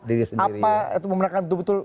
apa atau memerankan betul betul